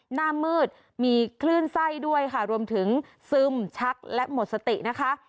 หน้ามืดมีคลื่นไส้ด้วยค่ะรวมถึงซึมชักและหมดสตินะคะ